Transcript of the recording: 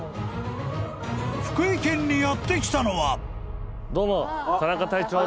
［福井県にやって来たのは］